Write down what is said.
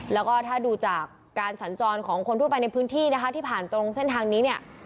แล้วก็ถ้าดูจากการสัญจรของคนทั่วไปในพื้นที่นะคะที่ผ่านตรงเส้นทางนี้เนี่ย